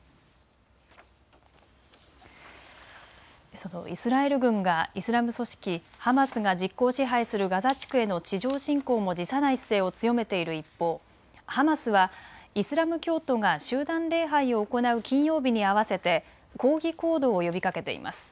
そのイスラエル軍がイスラム組織ハマスが実効支配するガザ地区への地上侵攻も辞さない姿勢を強めている一方、ハマスはイスラム教徒が集団礼拝を行う金曜日に合わせて抗議行動を呼びかけています。